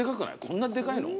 こんなでかいの？